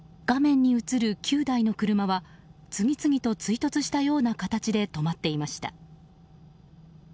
画面に映る９台の車は次々と追突したような形で止まっていました。